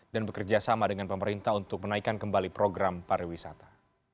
bekerja sama dengan pemerintah untuk menaikkan kembali program pariwisata